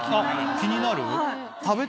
気になる？